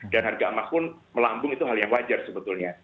dan harga emas pun melambung itu hal yang wajar sebetulnya